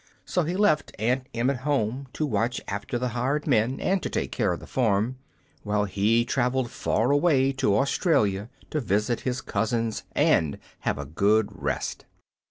So he left Aunt Em at home to watch after the hired men and to take care of the farm, while he traveled far away to Australia to visit his cousins and have a good rest.